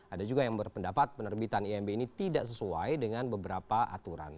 ada juga yang berpendapat penerbitan imb ini tidak sesuai dengan beberapa aturan